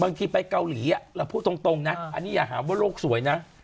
บางทีไปเกาหลีอ่ะเราพูดตรงน่ะหนึ่งอย่าหาบ่ันลูกสวยน่ะ